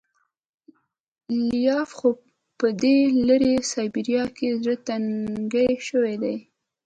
لیاخوف په دې لیرې سایبریا کې زړه تنګی شوی دی